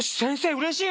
うれしい！